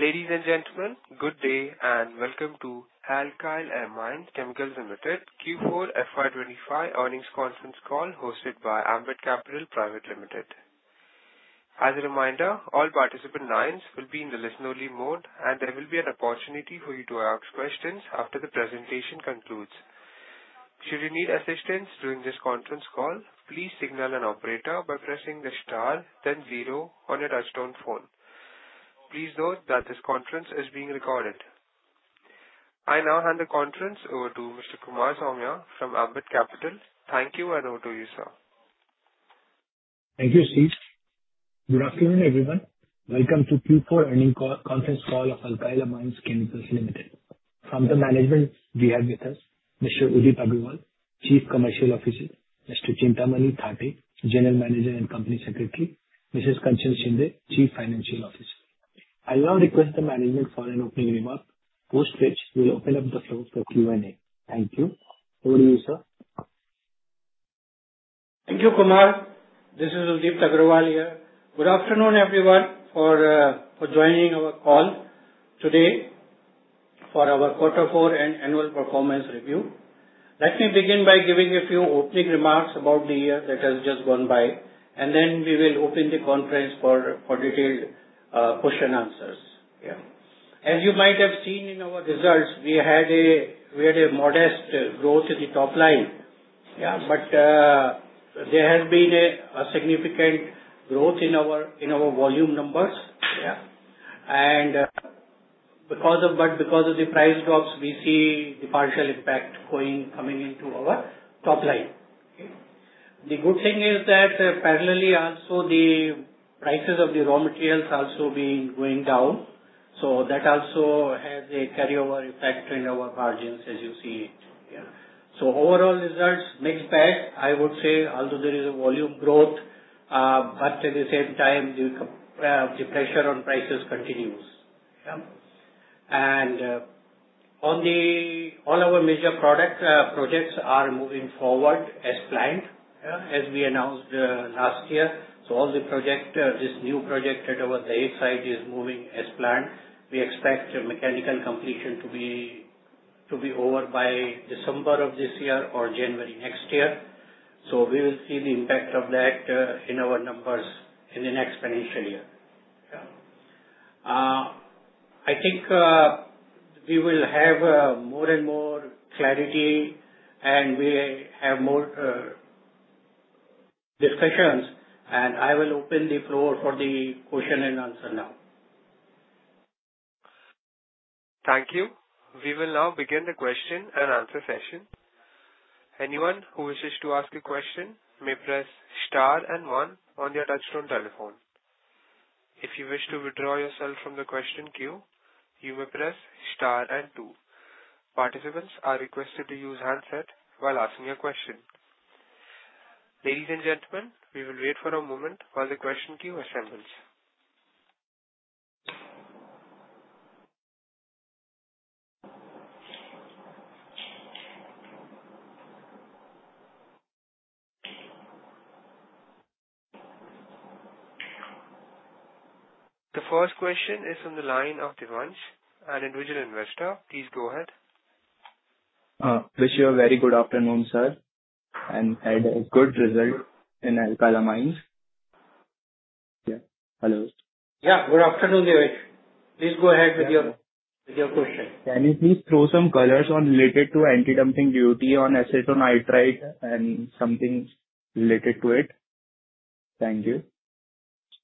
Ladies and gentlemen, good day and welcome to Alkyl Amines Chemicals Limited Q4 FY2025 Earnings Conference Call Hosted by Ambit Capital Private Limited. As a reminder, all participant lines will be in the listen-only mode, and there will be an opportunity for you to ask questions after the presentation concludes. Should you need assistance during this conference call, please signal an operator by pressing the star, then zero on your touch-tone phone. Please note that this conference is being recorded. I now hand the conference over to Mr. Kumar Saumya from Ambit Capital. Thank you, and over to you, sir. Thank you, Steve. Good afternoon, everyone. Welcome to Q4 Earnings Conference Call of Alkyl Amines Chemicals Limited. From the management, we have with us Mr. Udipt Agrawal, Chief Commercial Officer; Mr. Chintamani Thatte, General Manager and Company Secretary; Mrs. Kanchan Chinde, Chief Financial Officer. I'll now request the management for an opening remark, post which we'll open up the floor for Q&A. Thank you. Over to you, sir. Thank you, Kumar. This is Udipt Agrawal here. Good afternoon, everyone, for joining our call today for our Q4 and annual performance review. Let me begin by giving a few opening remarks about the year that has just gone by, and then we will open the conference for detailed question and answers. As you might have seen in our results, we had a modest growth in the top line, but there has been a significant growth in our volume numbers. Because of the price drops, we see the partial impact coming into our top line. The good thing is that parallelly, also, the prices of the raw materials are also going down, so that also has a carryover effect in our margins, as you see it. Overall results, mixed bag, I would say, although there is a volume growth, but at the same time, the pressure on prices continues. All our major projects are moving forward as planned, as we announced last year. All the projects, this new project that was the A site, is moving as planned. We expect mechanical completion to be over by December of this year or January next year. We will see the impact of that in our numbers in the next financial year. I think we will have more and more clarity, and we have more discussions, and I will open the floor for the question and answer now. Thank you. We will now begin the question and answer session. Anyone who wishes to ask a question may press star and one on their touchstone telephone. If you wish to withdraw yourself from the question queue, you may press star and two. Participants are requested to use handset while asking a question. Ladies and gentlemen, we will wait for a moment while the question queue assembles. The first question is from the line of Devansh, an individual investor. Please go ahead. Wish you a very good afternoon, sir, and had a good result in Alkyl Amines. Hello. Yeah, good afternoon, Devash. Please go ahead with your question. Can you please throw some colors on related to anti-dumping duty on acetonitrile and something related to it? Thank you.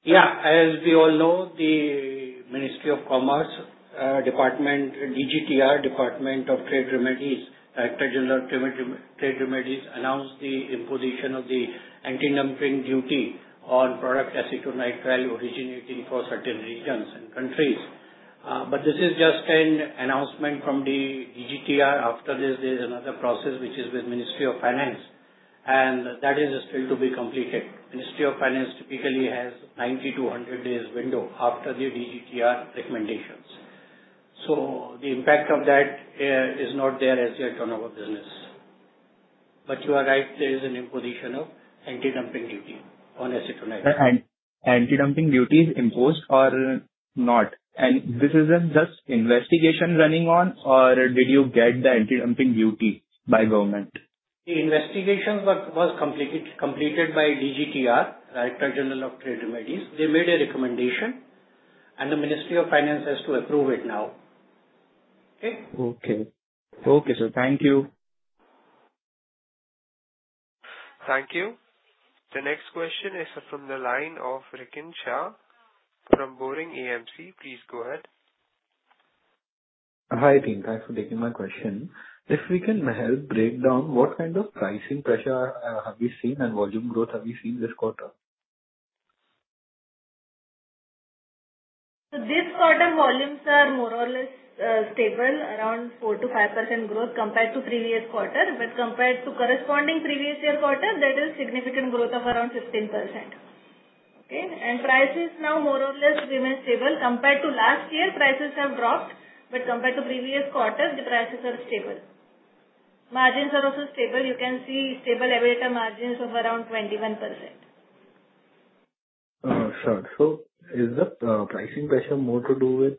Yeah, as we all know, the Ministry of Commerce, DGTR, Department of Trade Remedies, Director General of Trade Remedies, announced the imposition of the anti-dumping duty on product acetonitrile originating for certain regions and countries. This is just an announcement from the DGTR. After this, there is another process, which is with Ministry of Finance, and that is still to be completed. Ministry of Finance typically has a 90-100 days window after the DGTR recommendations. The impact of that is not there as yet on our business. You are right, there is an imposition of anti-dumping duty on acetonitrile. Anti-dumping duty is imposed or not? This isn't just investigation running on, or did you get the anti-dumping duty by government? The investigation was completed by DGTR, Director General of Trade Remedies. They made a recommendation, and the Ministry of Finance has to approve it now. Okay. Okay. Okay, sir. Thank you. Thank you. The next question is from the line of Rikin Shah from Boring EMC. Please go ahead. Hi Rikin. Thanks for taking my question. If we can help break down, what kind of pricing pressure have we seen and volume growth have we seen this quarter? This quarter, volumes are more or less stable, around 4% to 5% growth compared to previous quarter. Compared to corresponding previous year quarter, there is significant growth of around 15%. Prices now more or less remain stable. Compared to last year, prices have dropped, but compared to previous quarter, the prices are stable. Margins are also stable. You can see stable EBITDA margins of around 21%. Sure. So is the pricing pressure more to do with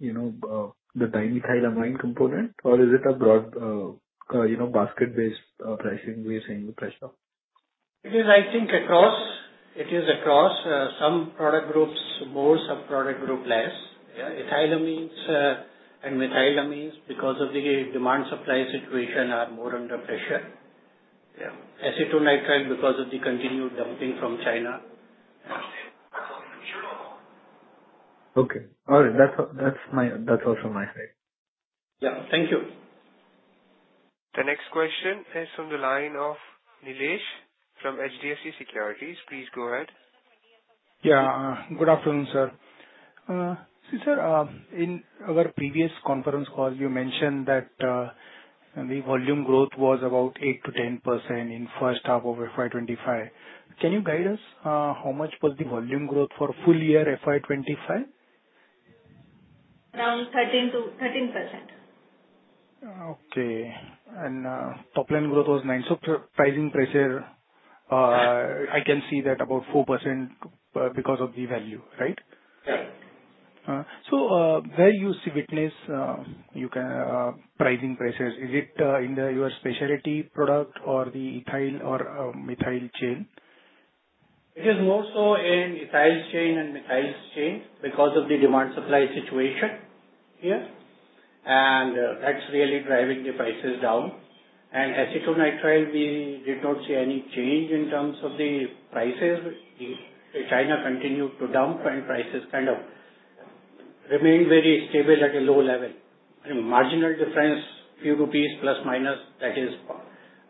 the dimethylamine component, or is it a broad basket-based pricing we're seeing the pressure? It is, I think, across. It is across. Some product groups more, some product groups less. Ethylamines and methylamines, because of the demand-supply situation, are more under pressure. Acetonitrile, because of the continued dumping from China. Okay. All right. That's also my side. Yeah. Thank you. The next question is from the line of Nilesh from HDFE Securities. Please go ahead. Yeah. Good afternoon, sir. See, sir, in our previous conference call, you mentioned that the volume growth was about 8% to 10% in first half of FY2025. Can you guide us how much was the volume growth for full year FY2025? Around 13-13%. Okay. Top line growth was 9. Pricing pressure, I can see that about 4% because of the value, right? Right. Where do you witness pricing pressures? Is it in your specialty product or the ethyl or methyl chain? It is more so in ethyl chain and methyl chain because of the demand-supply situation here. That is really driving the prices down. Acetonitrile, we did not see any change in terms of the prices. China continued to dump, and prices kind of remained very stable at a low level. Marginal difference, few rupees plus minus, that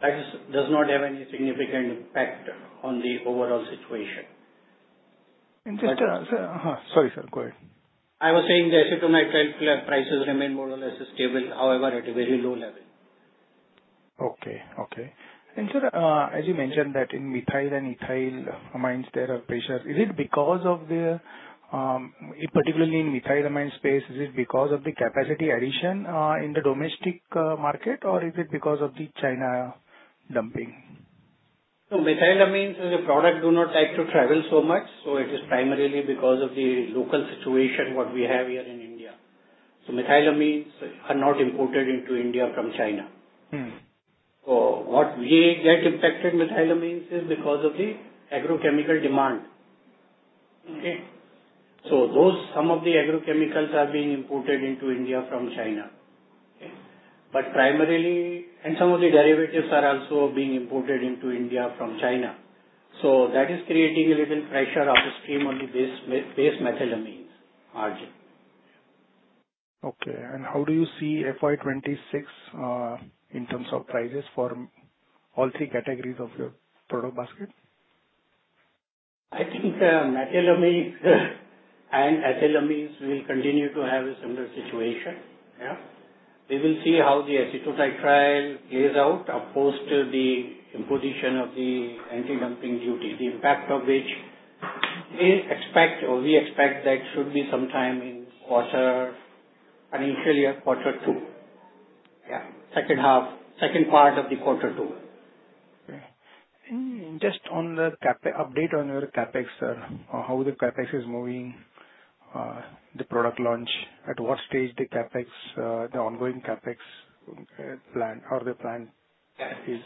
does not have any significant impact on the overall situation. And, sir— Sorry, sir. Go ahead. I was saying the acetonitrile prices remain more or less stable, however, at a very low level. Okay. Okay. Sir, as you mentioned that in methyl and ethyl amines, there are pressures. Is it because of the—particularly in methylamine space—is it because of the capacity addition in the domestic market, or is it because of the China dumping? Methylamines as a product do not like to travel so much. It is primarily because of the local situation we have here in India. Methylamines are not imported into India from China. What we get impacted on methylamines is because of the agrochemical demand. Some of the agrochemicals are being imported into India from China. Primarily, and some of the derivatives are also being imported into India from China. That is creating a little pressure on the stream on the base methylamines margin. Okay. How do you see FY 2026 in terms of prices for all three categories of your product basket? I think methylamines and ethylamines will continue to have a similar situation. We will see how the acetonitrile plays out post the imposition of the anti-dumping duty, the impact of which we expect that should be sometime in quarter—financial year quarter two. Yeah. Second half, second part of the quarter two. Okay. And just on the update on your CapEx, sir, how the CapEx is moving, the product launch, at what stage the CapEx, the ongoing CapEx plan or the plan is?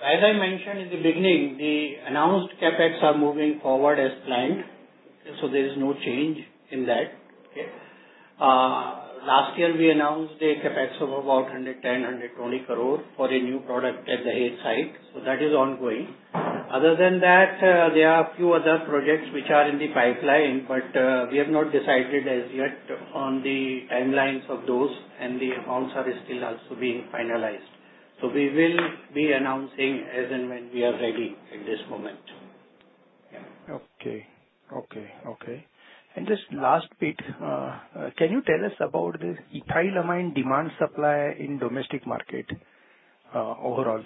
As I mentioned in the beginning, the announced CapEx are moving forward as planned. There is no change in that. Last year, we announced a CapEx of about 110-120 crore for a new product at the A site. That is ongoing. Other than that, there are a few other projects which are in the pipeline, but we have not decided as yet on the timelines of those, and the amounts are still also being finalized. We will be announcing as and when we are ready at this moment. Okay. Okay. Okay. Just last bit, can you tell us about the ethylamine demand-supply in domestic market overall?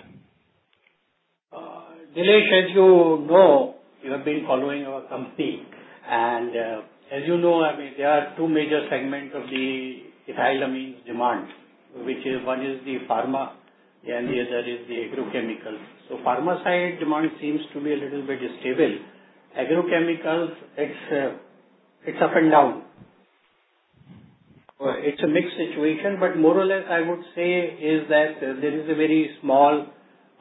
Nilesh, as you know, you have been following our company. As you know, there are two major segments of the ethylamine demand, which one is the pharma, and the other is the agrochemicals. Pharma side demand seems to be a little bit stable. Agrochemicals, it's up and down. It's a mixed situation, but more or less, I would say, is that there is a very small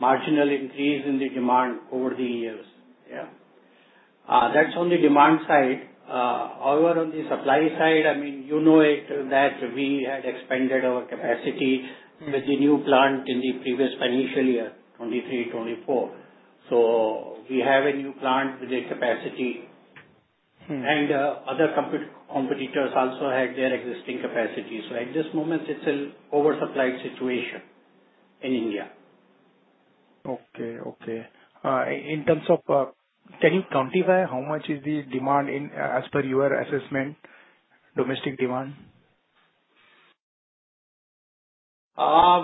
marginal increase in the demand over the years. That's on the demand side. However, on the supply side, you know it that we had expanded our capacity with the new plant in the previous financial year, 2023-2024. We have a new plant with the capacity. Other competitors also had their existing capacity. At this moment, it's an oversupplied situation in India. Okay. Okay. In terms of, can you quantify how much is the demand as per your assessment, domestic demand?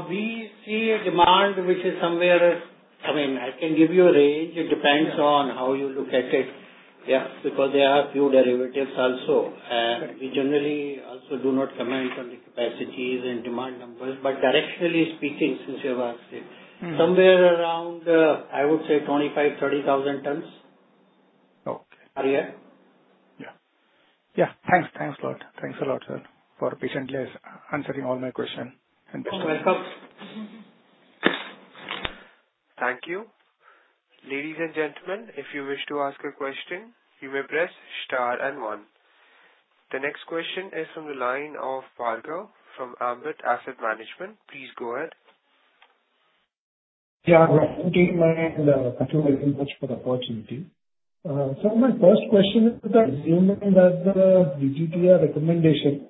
We see a demand which is somewhere—I mean, I can give you a range. It depends on how you look at it. Because there are a few derivatives also. We generally also do not comment on the capacities and demand numbers. Directionally speaking, since you have asked it, somewhere around, I would say, 25,000-30,000 tons. Are you? Yeah. Yeah. Thanks. Thanks a lot. Thanks a lot, sir, for patiently answering all my questions. You're welcome. Thank you. Ladies and gentlemen, if you wish to ask a question, you may press star and one. The next question is from the line of Parker from Ambit Asset Management. Please go ahead. Yeah. Good afternoon. I'm doing my consulting research for the opportunity. So my first question is that assuming that the DGTR recommendation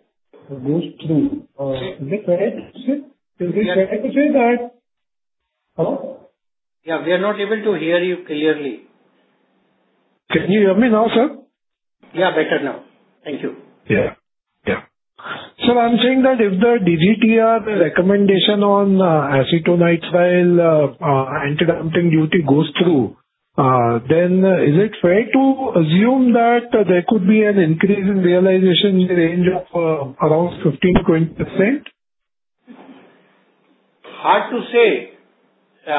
goes through, is it correct to say that? Hello? Yeah. We are not able to hear you clearly. Can you hear me now, sir? Yeah. Better now. Thank you. Yeah. Yeah. So I'm saying that if the DGTR recommendation on acetonitrile anti-dumping duty goes through, then is it fair to assume that there could be an increase in realization range of around 15%-20%? Hard to say.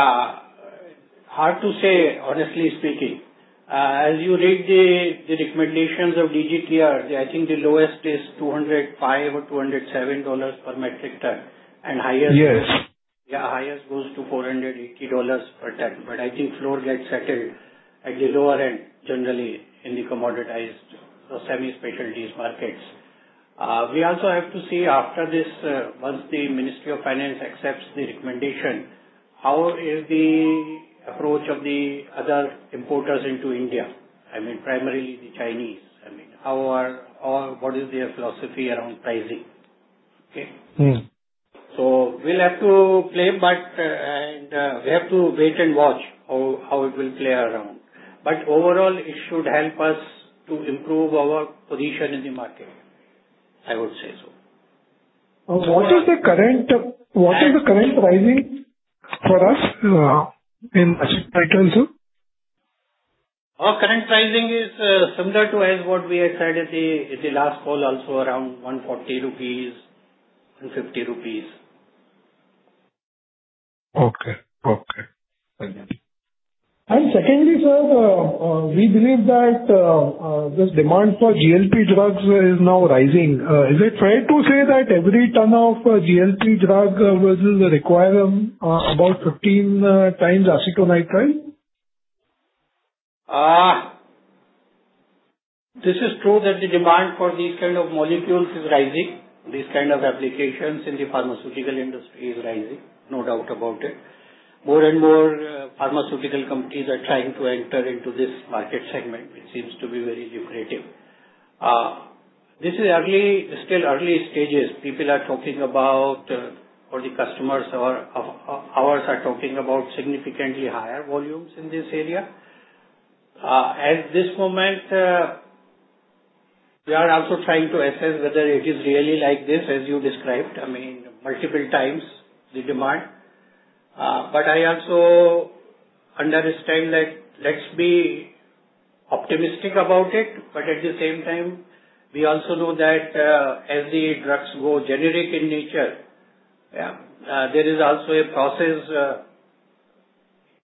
Hard to say, honestly speaking. As you read the recommendations of DGTR, I think the lowest is $205 or $207 per metric ton. And highest— Yes. Yeah. Highest goes to $480 per ton. I think floor gets settled at the lower end, generally, in the commoditized or semi-specialties markets. We also have to see after this, once the Ministry of Finance accepts the recommendation, how is the approach of the other importers into India? I mean, primarily the Chinese. I mean, what is their philosophy around pricing? Okay? We will have to play, but we have to wait and watch how it will play around. Overall, it should help us to improve our position in the market, I would say so. What is the current pricing for us in acetonitrile, sir? Our current pricing is similar to what we had said at the last call, also around 140-150 rupees. Okay. Okay. Thank you. Secondly, sir, we believe that this demand for GLP-1 drugs is now rising. Is it fair to say that every ton of GLP-1 drug will require about 15 times acetonitrile? This is true that the demand for these kinds of molecules is rising. These kinds of applications in the pharmaceutical industry is rising. No doubt about it. More and more pharmaceutical companies are trying to enter into this market segment, which seems to be very lucrative. This is still early stages. People are talking about, or the customers of ours are talking about significantly higher volumes in this area. At this moment, we are also trying to assess whether it is really like this, as you described, I mean, multiple times, the demand. I also understand that let's be optimistic about it. At the same time, we also know that as the drugs go generic in nature, there is also a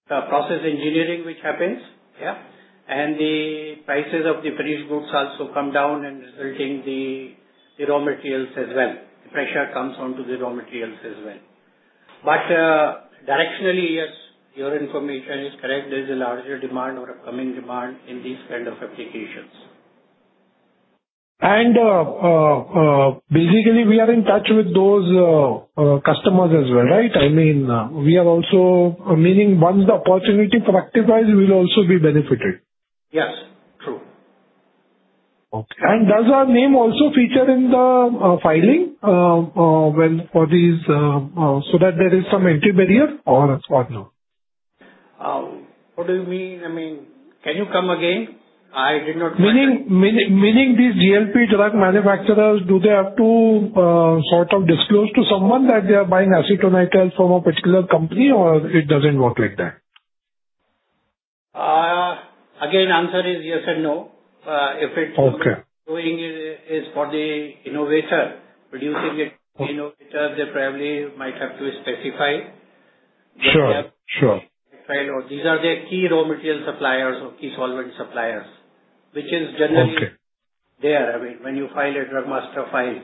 process engineering which happens. The prices of the finished goods also come down, resulting in the raw materials as well. The pressure comes onto the raw materials as well. Directionally, yes, your information is correct. There is a larger demand or upcoming demand in these kinds of applications. Basically, we are in touch with those customers as well, right? I mean, we are also, meaning once the opportunity for activized, we'll also be benefited. Yes. True. Okay. Does our name also feature in the filing for these so that there is some entry barrier or no? What do you mean? I mean, can you come again? I did not. Meaning these GLP drug manufacturers, do they have to sort of disclose to someone that they are buying acetonitrile from a particular company, or it does not work like that? Again, the answer is yes and no. If it's going for the innovator, producing it, the innovator, they probably might have to specify. But yeah. Sure. Sure. These are the key raw material suppliers or key solvent suppliers, which is generally there. I mean, when you file a Drug Master File,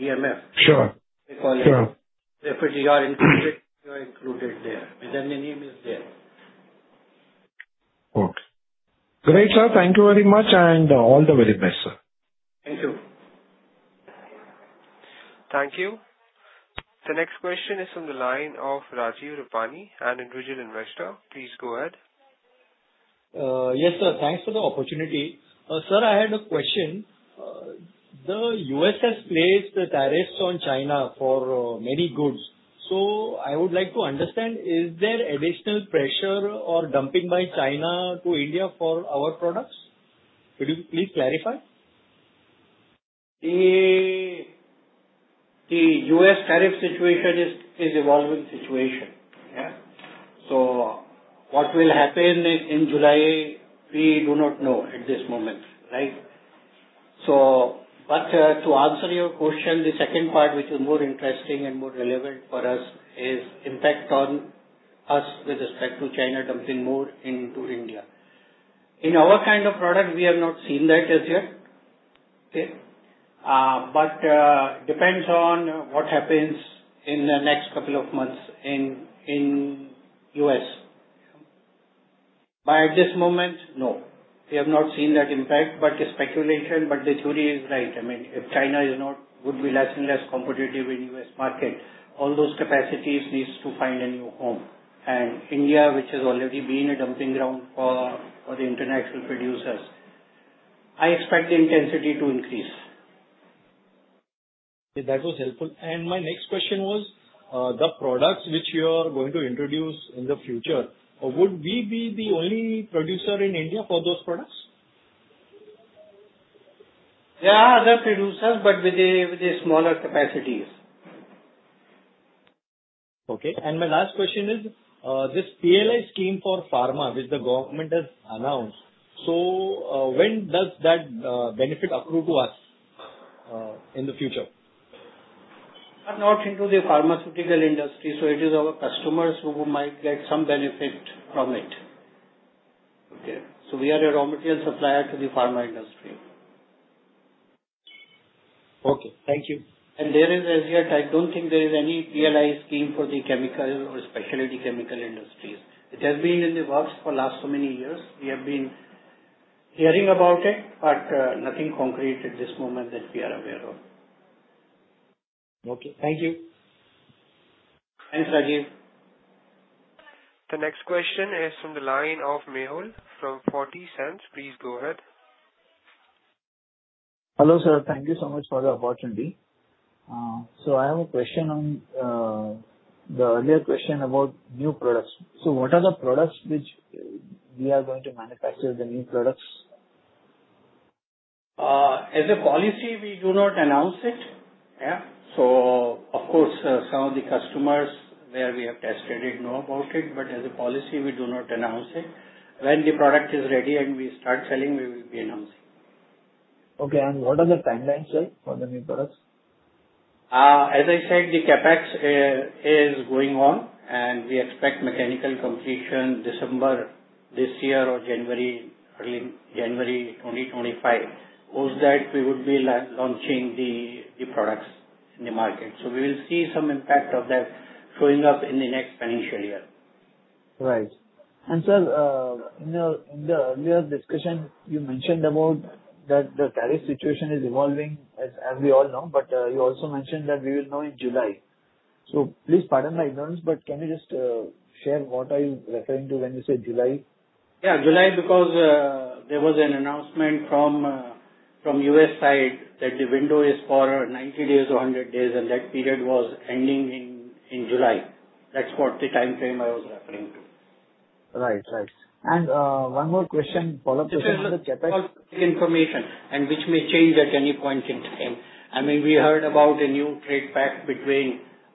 DMF, they call it. If you are included, you are included there. Then the name is there. Okay. Great, sir. Thank you very much. All the very best, sir. Thank you. Thank you. The next question is from the line of Rajiv Rupani, an individual investor. Please go ahead. Yes, sir. Thanks for the opportunity. Sir, I had a question. The U.S. has placed tariffs on China for many goods. I would like to understand, is there additional pressure or dumping by China to India for our products? Could you please clarify? The U.S. tariff situation is an evolving situation. What will happen in July, we do not know at this moment, right? To answer your question, the second part, which is more interesting and more relevant for us, is impact on us with respect to China dumping more into India. In our kind of product, we have not seen that as yet. It depends on what happens in the next couple of months in the U.S. At this moment, no. We have not seen that impact. It is speculation, but the theory is right. I mean, if China would be less and less competitive in the U.S. market, all those capacities need to find a new home. India, which has already been a dumping ground for the international producers, I expect the intensity to increase. That was helpful. My next question was, the products which you are going to introduce in the future, would we be the only producer in India for those products? There are other producers, but with smaller capacities. Okay. My last question is, this PLI scheme for pharma which the government has announced, when does that benefit accrue to us in the future? Not into the pharmaceutical industry. It is our customers who might get some benefit from it. Okay? We are a raw material supplier to the pharma industry. Okay. Thank you. As yet, I don't think there is any PLI scheme for the chemical or specialty chemical industries. It has been in the works for the last so many years. We have been hearing about it, but nothing concrete at this moment that we are aware of. Okay. Thank you. Thanks, Rajiv. The next question is from the line of Mehul from 40 Cents. Please go ahead. Hello, sir. Thank you so much for the opportunity. I have a question on the earlier question about new products. What are the products which we are going to manufacture, the new products? As a policy, we do not announce it. Of course, some of the customers where we have tested it know about it. As a policy, we do not announce it. When the product is ready and we start selling, we will be announcing. Okay. What are the timelines, sir, for the new products? As I said, the CapEx is going on, and we expect mechanical completion December this year or early January 2025. Post that we would be launching the products in the market. We will see some impact of that showing up in the next financial year. Right. Sir, in the earlier discussion, you mentioned about that the tariff situation is evolving, as we all know, but you also mentioned that we will know in July. Please pardon my ignorance, but can you just share what are you referring to when you say July? Yeah. July, because there was an announcement from US side that the window is for 90 days or 100 days, and that period was ending in July. That's what the timeframe I was referring to. Right. Right. And one more question, follow-up question on the CapEx. Information, and which may change at any point in time. I mean, we heard about a new trade pact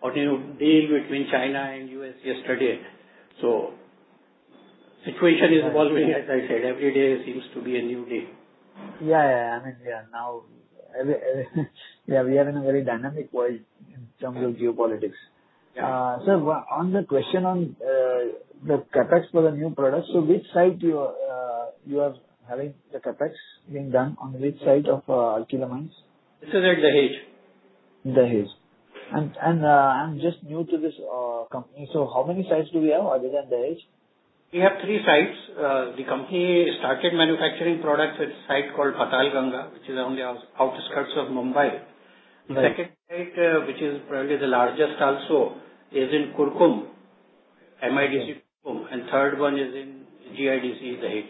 or new deal between China and the U.S. yesterday. The situation is evolving, as I said. Every day seems to be a new day. Yeah. Yeah. I mean, yeah, we are in a very dynamic world in terms of geopolitics. Sir, on the question on the CapEx for the new products, which site are you having the CapEx being done on, which site of Alkyl Amines? It's there in Dahej. Dahej. I'm just new to this company. How many sites do we have other than Dahej? We have three sites. The company started manufacturing products at a site called Patalganga, which is on the outskirts of Mumbai. The second site, which is probably the largest also, is in Kurkumbh. MIDC Kurkumbh. And the third one is in GIDC Dahej.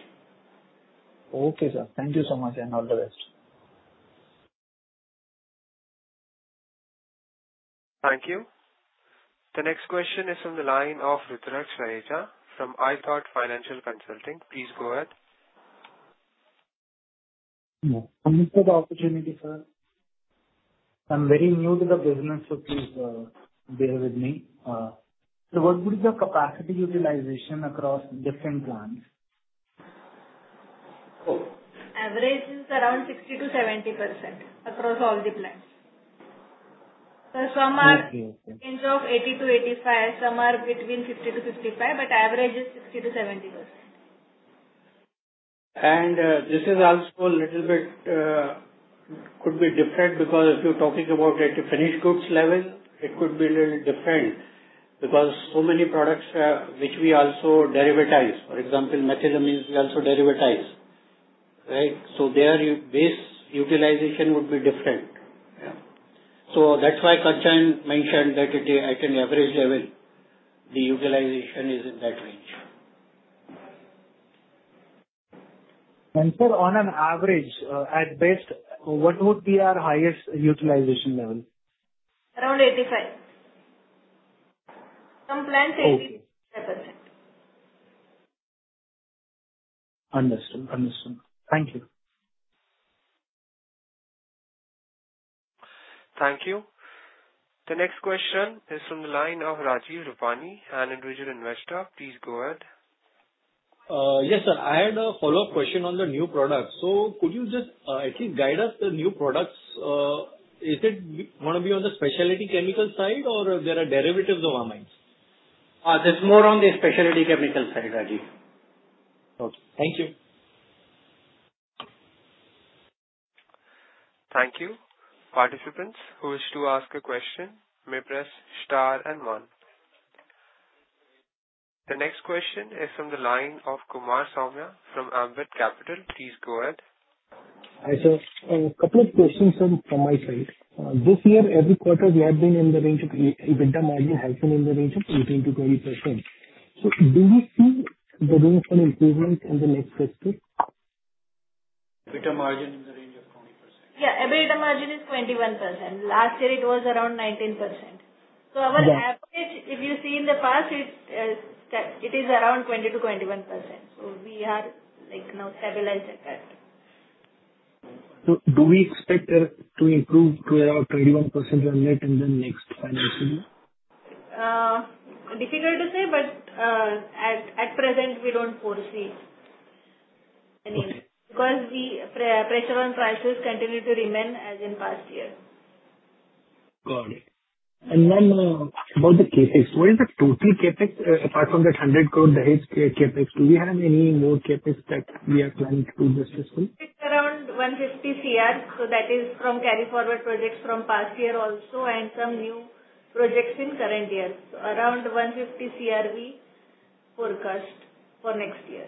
Okay, sir. Thank you so much, and all the best. Thank you. The next question is from the line of Rithrak Shreja from IThought Financial Consulting. Please go ahead. Thank you for the opportunity, sir. I'm very new to the business, so please bear with me. What would be the capacity utilization across different plants? Average is around 60-70% across all the plants. Some are in the range of 80-85%, some are between 50% and 55%, but average is 60-70%. This is also a little bit could be different because if you're talking about at the finished goods level, it could be a little different because so many products which we also derivatize. For example, methylamines, we also derivatize. So their base utilization would be different. That's why Kanchan mentioned that at an average level, the utilization is in that range. Sir, on an average, at best, what would be our highest utilization level? Around 85%. Some plants 80%. Understood. Understood. Thank you. Thank you. The next question is from the line of Rajiv Rupani, an individual investor. Please go ahead. Yes, sir. I had a follow-up question on the new products. So could you just at least guide us the new products? Is it going to be on the specialty chemical side, or there are derivatives of amines? There's more on the specialty chemical side, Rajiv. Okay. Thank you. Thank you. Participants who wish to ask a question may press star and one. The next question is from the line of Kumar Saumya from Ambit Capital. Please go ahead. Hi, sir. A couple of questions from my side. This year, every quarter, we have been in the range of EBITDA margin has been in the range of 18-20%. Do we see the room for improvement in the next sector? EBITDA margin in the range of 20%. Yeah. EBITDA margin is 21%. Last year, it was around 19%. So our average, if you see in the past, it is around 20-21%. So we are now stabilized at that. Do we expect to improve to around 21% net in the next financial year? Difficult to say, but at present, we do not foresee any because pressure on prices continues to remain as in past years. Got it. And then about the CapEx, what is the total CapEx apart from that 100 crore Dahej CapEx? Do we have any more CapEx that we are planning to do justice to? It's around 150 crore. That is from carry forward projects from past year also and some new projects in current year. Around 150 crore we forecast for next year.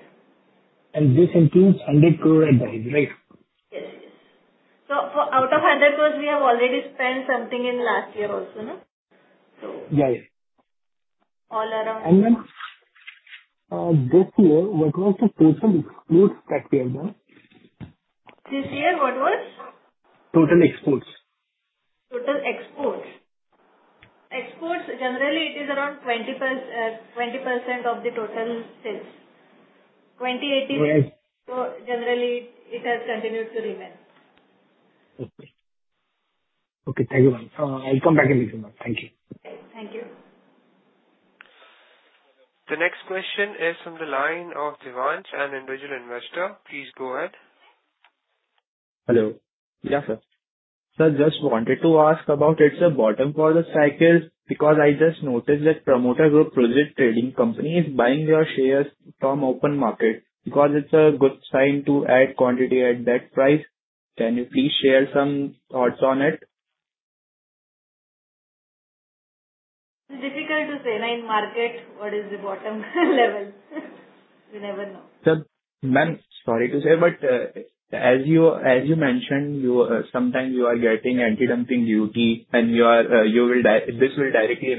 This includes 100 crore at Dahej, right? Yes. Yes. Out of 100 crore, we have already spent something in last year also, no? Yeah. Yeah. All around. And then this year, what was the total exports that we have done? This year, what was? Total exports. Total exports. Exports, generally, it is around 20% of the total sales. 20, 18. Right. Generally, it has continued to remain. Okay. Okay. Thank you, ma'am. I'll come back and listen, ma'am. Thank you. Thank you. The next question is from the line of Devansh, an individual investor. Please go ahead. Hello. Yes, sir. Sir, just wanted to ask about its bottom for the cycle because I just noticed that Promoter Group Project Trading Company is buying their shares from open market. Because it's a good sign to add quantity at that price. Can you please share some thoughts on it? It's difficult to say. Now, in market, what is the bottom level? We never know. Sir, ma'am, sorry to say, but as you mentioned, sometimes you are getting anti-dumping duty, and this will directly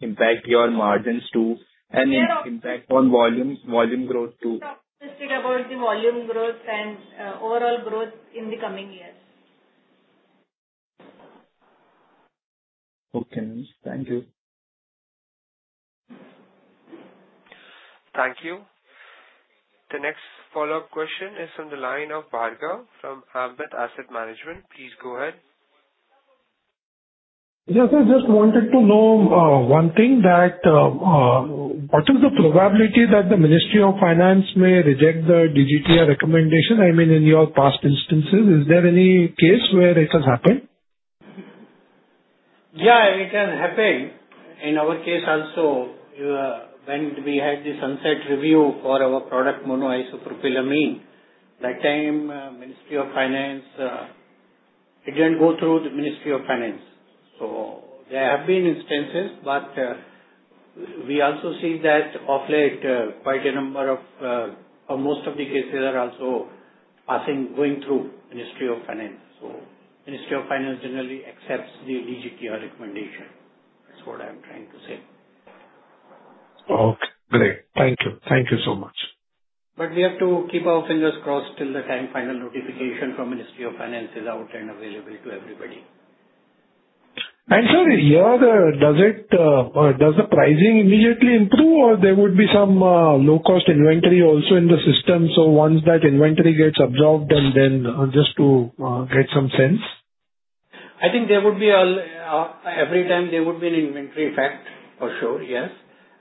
impact your margins too and impact on volume growth too. We are optimistic about the volume growth and overall growth in the coming years. Okay. Thank you. Thank you. The next follow-up question is from the line of Varga from Ambit Asset Management. Please go ahead. Yes, I just wanted to know one thing. What is the probability that the Ministry of Finance may reject the DGTR recommendation? I mean, in your past instances, is there any case where it has happened? Yeah, it can happen. In our case also, when we had the sunset review for our product, monoisopropylamine, that time, Ministry of Finance, it did not go through the Ministry of Finance. There have been instances, but we also see that of late, quite a number of or most of the cases are also going through Ministry of Finance. Ministry of Finance generally accepts the DGTR recommendation. That is what I am trying to say. Okay. Great. Thank you. Thank you so much. We have to keep our fingers crossed till the time final notification from Ministry of Finance is out and available to everybody. Sir, does the pricing immediately improve, or there would be some low-cost inventory also in the system? Once that inventory gets absorbed, and then just to get some sense? I think there would be every time, there would be an inventory effect for sure, yes.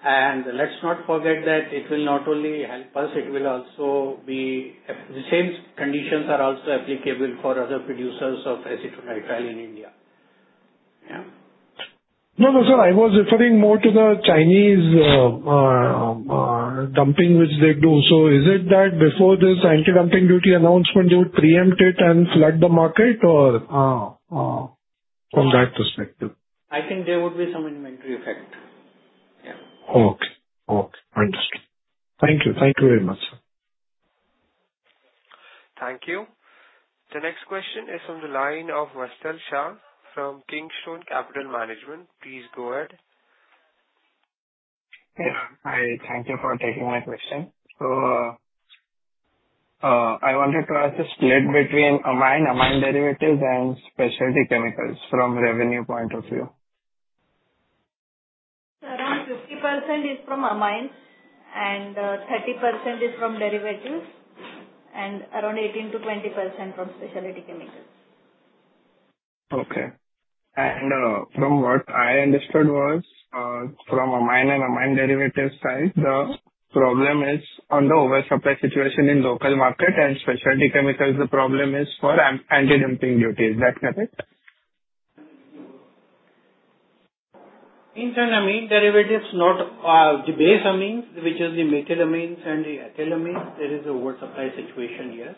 Let's not forget that it will not only help us, it will also be the same conditions are also applicable for other producers of acetonitrile in India. No, no, sir. I was referring more to the Chinese dumping which they do. Is it that before this anti-dumping duty announcement, they would preempt it and flood the market, or from that perspective? I think there would be some inventory effect. Yeah. Okay. Okay. Understood. Thank you. Thank you very much, sir. Thank you. The next question is from the line of Westel Shah from Kingstone Capital Management. Please go ahead. Hi. Thank you for taking my question. I wanted to ask the split between amine, amine derivatives, and specialty chemicals from revenue point of view. Around 50% is from amine, and 30% is from derivatives, and around 18-20% from specialty chemicals. Okay. From what I understood was from amine and amine derivatives side, the problem is on the oversupply situation in local market, and specialty chemicals, the problem is for anti-dumping duties. Is that correct? In terms of amine derivatives, not the base amines, which is the methylamines and the ethylamines, there is an oversupply situation, yes.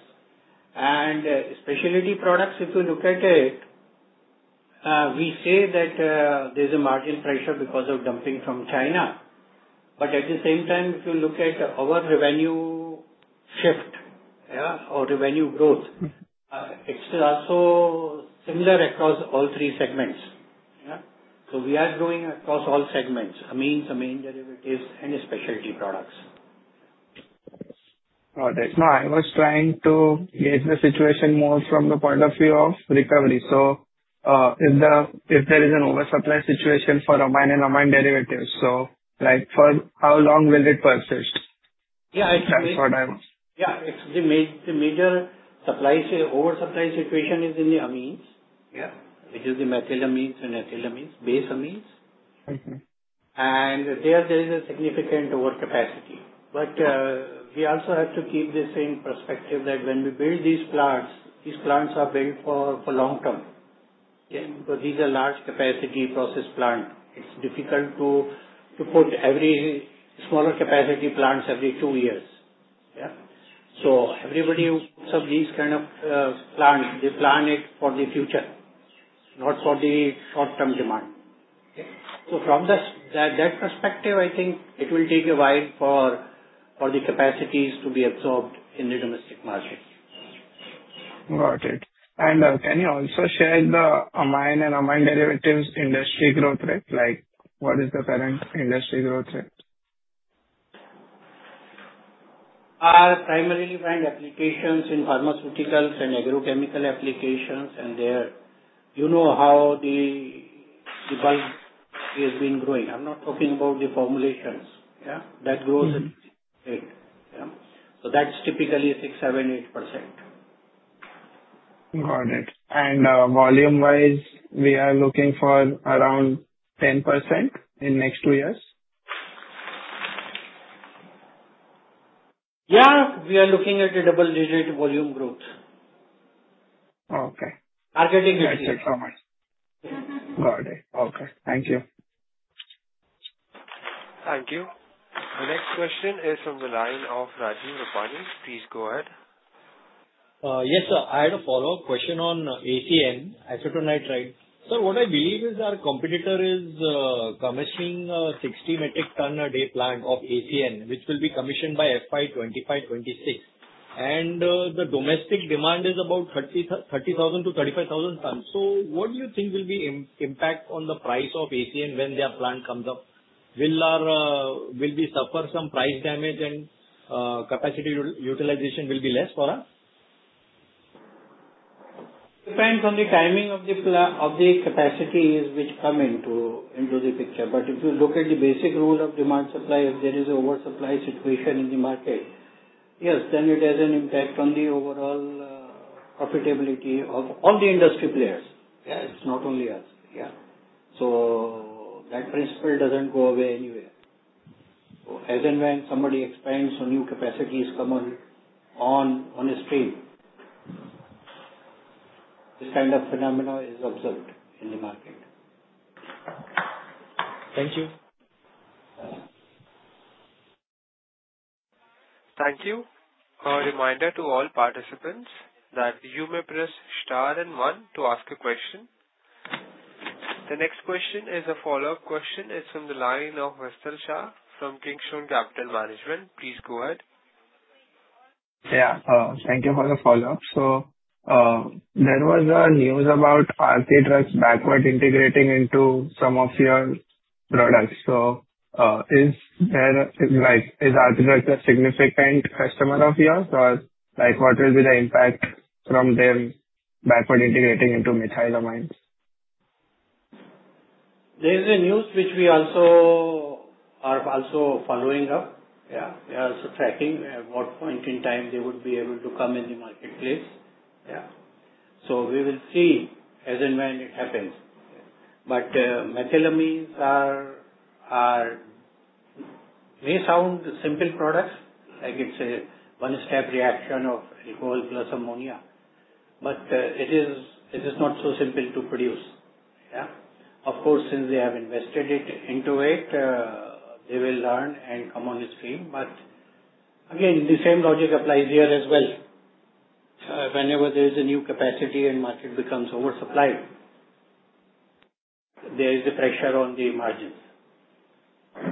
Specialty products, if you look at it, we say that there's a margin pressure because of dumping from China. At the same time, if you look at our revenue shift or revenue growth, it's also similar across all three segments. We are growing across all segments: amines, amine derivatives, and specialty products. Got it. Now, I was trying to gauge the situation more from the point of view of recovery. If there is an oversupply situation for amine and amine derivatives, how long will it persist? Yeah, the major oversupply situation is in the amines, which is the methylamines and ethylamines, base amines. There is a significant overcapacity. We also have to keep this in perspective that when we build these plants, these plants are built for the long term. Because these are large capacity process plants, it's difficult to put up smaller capacity plants every two years. Everybody who puts up these kind of plants, they plan it for the future, not for the short-term demand. From that perspective, I think it will take a while for the capacities to be absorbed in the domestic market. Got it. Can you also share the amine and amine derivatives industry growth rate? What is the current industry growth rate? Primarily, we find applications in pharmaceuticals and agrochemical applications, and you know how the bulk has been growing. I'm not talking about the formulations that grow late. So that's typically 6-8%. Got it. Volume-wise, we are looking for around 10% in the next two years? Yeah, we are looking at a double-digit volume growth. Okay. Marketing is yes. Got it. Okay. Thank you. Thank you. The next question is from the line of Rajiv Rupani. Please go ahead. Yes, sir. I had a follow-up question on ACN, acetonitrile. Sir, what I believe is our competitor is commissioning a 60 metric ton a day plant of ACN, which will be commissioned by FY 2025-2026. And the domestic demand is about 30,000-35,000 tons. What do you think will be the impact on the price of ACN when their plant comes up? Will we suffer some price damage, and capacity utilization will be less for us? It depends on the timing of the capacities which come into the picture. If you look at the basic rule of demand-supply, if there is an oversupply situation in the market, yes, then it has an impact on the overall profitability of all the industry players. It's not only us. That principle does not go away anywhere. As and when somebody expands or new capacities come on the stream, this kind of phenomenon is observed in the market. Thank you. Thank you. A reminder to all participants that you may press star and one to ask a question. The next question is a follow-up question. It's from the line of Westel Shah from Kingstone Capital Management. Please go ahead. Yeah. Thank you for the follow-up. There was news about RC Trucks backward integrating into some of your products. Is RC Trucks a significant customer of yours, or what will be the impact from them backward integrating into methylamines? There is a news which we are also following up. We are also tracking at what point in time they would be able to come in the marketplace. We will see as and when it happens. Methylamines may sound simple products, like it's a one-step reaction of alcohol plus ammonia. It is not so simple to produce. Of course, since they have invested into it, they will learn and come on the stream. Again, the same logic applies here as well. Whenever there is a new capacity and the market becomes oversupplied, there is a pressure on the margins. Got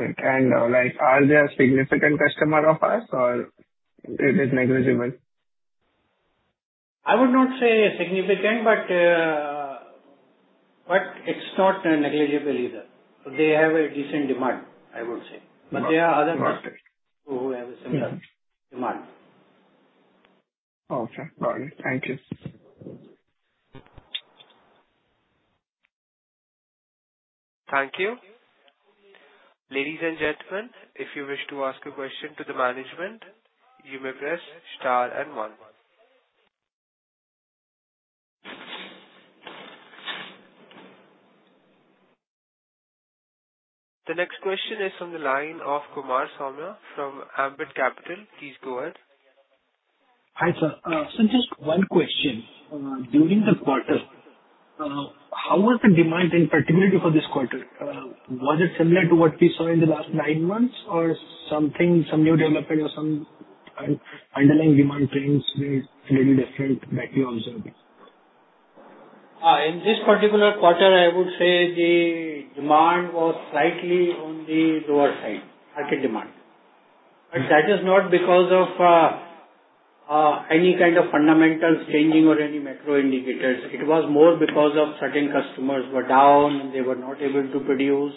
it. Are they a significant customer of us, or is it negligible? I would not say significant, but it's not negligible either. They have a decent demand, I would say. There are other customers who have a similar demand. Okay. Got it. Thank you. Thank you. Ladies and gentlemen, if you wish to ask a question to the management, you may press star and one. The next question is from the line of Kumar Saumya from Ambit Capital. Please go ahead. Hi, sir. So just one question. During the quarter, how was the demand in particular for this quarter? Was it similar to what we saw in the last nine months, or some new development or some underlying demand trends were a little different that you observed? In this particular quarter, I would say the demand was slightly on the lower side, market demand. That is not because of any kind of fundamentals changing or any macro indicators. It was more because certain customers were down, and they were not able to produce,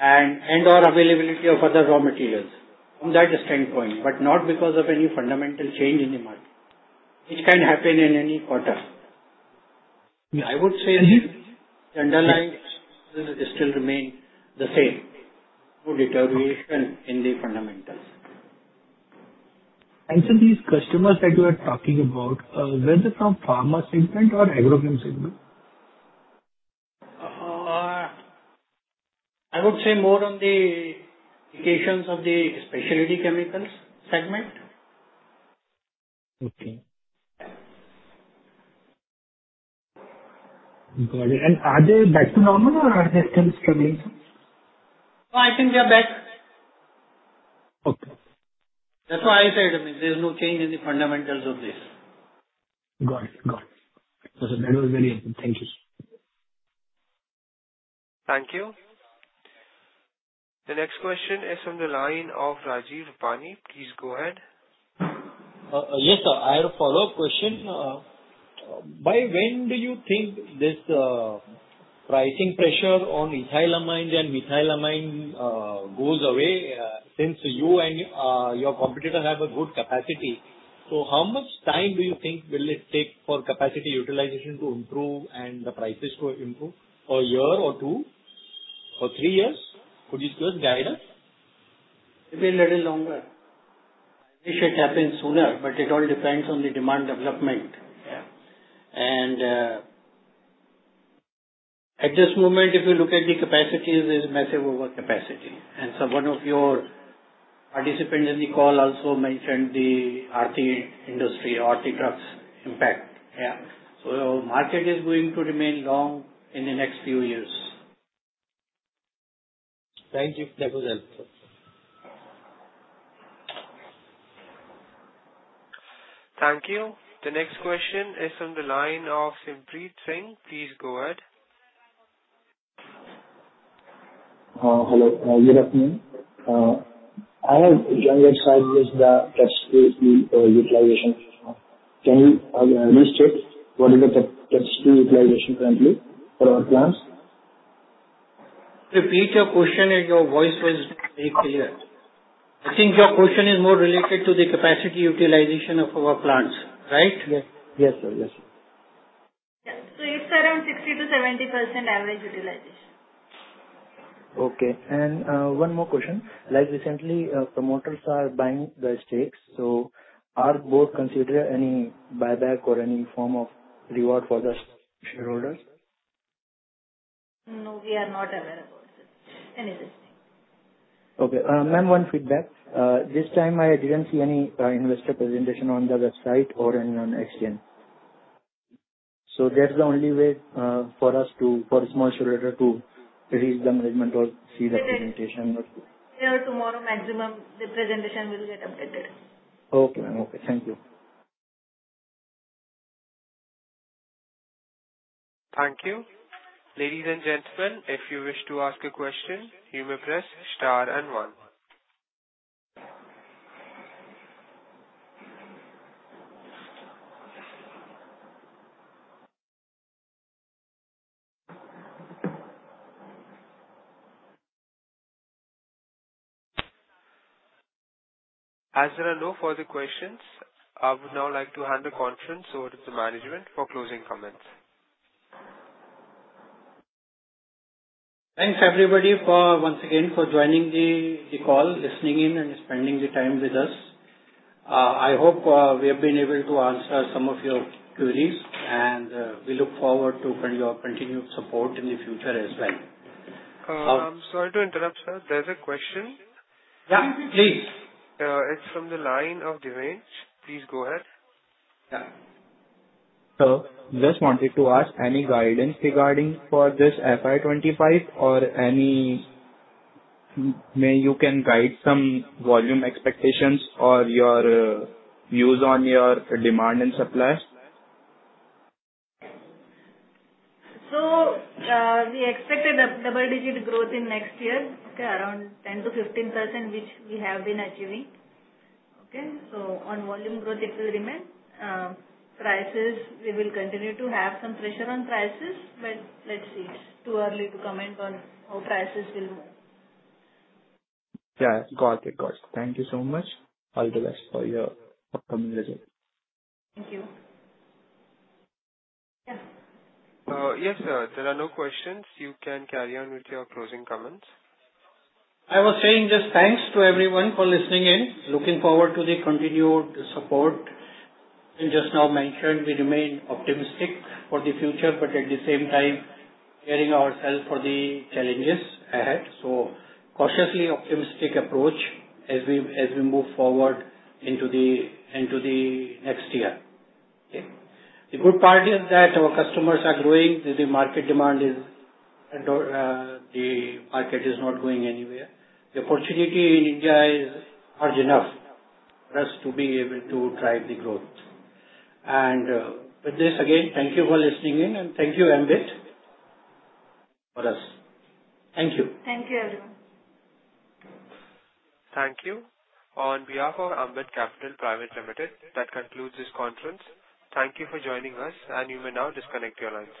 and/or availability of other raw materials from that standpoint, but not because of any fundamental change in the market, which can happen in any quarter. I would say the underlying still remained the same. No deterioration in the fundamentals. These customers that you are talking about, were they from pharma segment or agrochem segment? I would say more on the applications of the specialty chemicals segment. Okay. Got it. Are they back to normal, or are they still struggling some? No, I think they are back. Okay. That's why I said there's no change in the fundamentals of this. Got it. Got it. That was very helpful. Thank you. Thank you. The next question is from the line of Rajiv Rupani. Please go ahead. Yes, sir. I have a follow-up question. By when do you think this pricing pressure on ethylamines and methylamines goes away? Since you and your competitors have a good capacity, how much time do you think will it take for capacity utilization to improve and the prices to improve? A year or two or three years? Could you just guide us? It will be a little longer. I wish it happened sooner, but it all depends on the demand development. At this moment, if you look at the capacities, there is massive overcapacity. One of your participants in the call also mentioned the RT industry or RT trucks impact. The market is going to remain long in the next few years. Thank you. That was helpful. Thank you. The next question is from the line of Simpreet Singh. Please go ahead. Hello. Good afternoon. I have a younger child who is the TEPS-2 utilization person. Can you list what is the TEPS-2 utilization currently for our plants? To repeat your question, your voice was very clear. I think your question is more related to the capacity utilization of our plants, right? Yes, sir. Yeah. So it's around 60-70% average utilization. Okay. And one more question. Like recently, promoters are buying the stakes. So are both considered any buyback or any form of reward for the shareholders? No, we are not aware about any of this. Okay. Ma'am, one feedback. This time, I didn't see any investor presentation on the website or on the exchange. So that's the only way for us, for a small shareholder, to reach the management or see the presentation. Yeah. Tomorrow, maximum, the presentation will get updated. Okay. Okay. Thank you. Thank you. Ladies and gentlemen, if you wish to ask a question, you may press star and one. As there are no further questions, I would now like to hand the conference over to the management for closing comments. Thanks, everybody, once again, for joining the call, listening in, and spending the time with us. I hope we have been able to answer some of your queries, and we look forward to your continued support in the future as well. Sorry to interrupt, sir. There's a question. Yeah, please. It's from the line of Divinch. Please go ahead. Just wanted to ask any guidance regarding for this FY 2025, or maybe you can guide some volume expectations or your views on your demand and supply? We expected double-digit growth in next year, around 10-15%, which we have been achieving. On volume growth, it will remain. Prices, we will continue to have some pressure on prices, but let's see. It's too early to comment on how prices will move. Yeah. Got it. Got it. Thank you so much. All the best for your upcoming visit. Thank you. Yes, sir. There are no questions. You can carry on with your closing comments. I was saying just thanks to everyone for listening in. Looking forward to the continued support. And just now mentioned, we remain optimistic for the future, but at the same time, preparing ourselves for the challenges ahead. So cautiously optimistic approach as we move forward into the next year. The good part is that our customers are growing. The market demand is the market is not going anywhere. The opportunity in India is large enough for us to be able to drive the growth. And with this, again, thank you for listening in, and thank you, Ambit, for us. Thank you. Thank you, everyone. Thank you. On behalf of Ambit Capital Private Limited, that concludes this conference. Thank you for joining us, and you may now disconnect your lines.